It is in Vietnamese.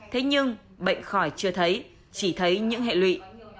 thế nhưng bệnh khỏi chưa thấy chỉ thấy những hệ lụy